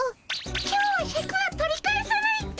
今日はシャクは取り返さないっピ。